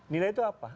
nilai itu apa